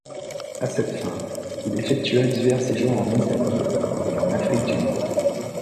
À cette fin, il effectua divers séjours en Italie et en Afrique du Nord.